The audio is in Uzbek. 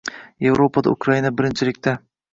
Yevropada Ukraina birinchilikda.